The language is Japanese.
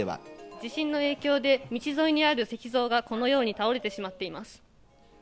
地震の影響で、道沿いにある石像がこのように倒れてしまっています。